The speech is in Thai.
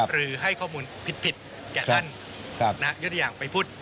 หรือให้ข้อมูลผิดแก่ท่านยกตัวอย่างไปพูด